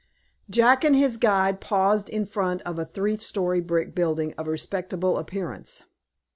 JACK and his guide paused in front of a three story brick building of respectable appearance.